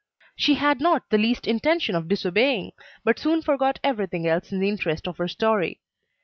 She had not the least intention of disobeying, but soon forgot everything else in the interest of her story.